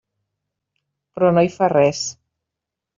Però no hi fa res.